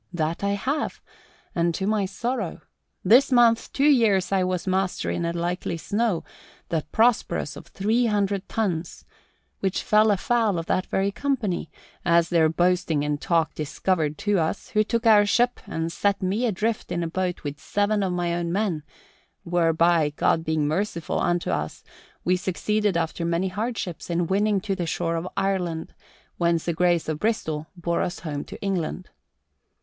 That I have, and to my sorrow. This month two years I was master in a likely snow, the Prosperous of three hundred tons, which fell afoul of that very company, as their boasting and talk discovered to us, who took our ship and set me adrift in a boat with seven of mine own men, whereby, God being merciful unto us, we succeeded after many hardships in winning to the shore of Ireland, whence the Grace of Bristol bore us home to England.